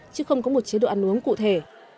chứ không có một chế độ ăn uống cụ thể